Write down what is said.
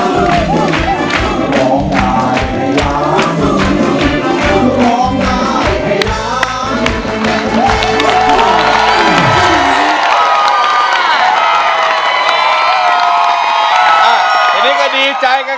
ดีใจกันเข้าไป